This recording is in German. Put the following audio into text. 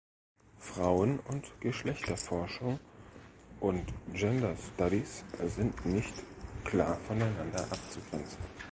Frauen- und Geschlechterforschung und Gender Studies sind nicht klar voneinander abzugrenzen.